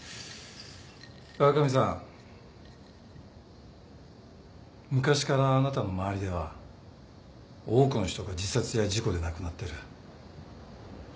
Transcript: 川上さん昔からあなたの周りでは多くの人が自殺や事故で亡くなってる。